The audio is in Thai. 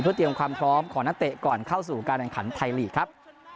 เพื่อเตรียมความพร้อมของนักเตะก่อนเข้าสู่การแข่งขันไทยลีกครับ